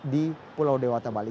di pulau dewata bali